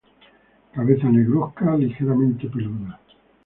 Cabeza negruzca, ligeramente peluda.